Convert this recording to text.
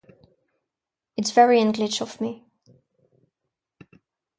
It's very English of me.